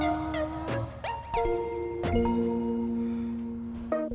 gak tau mida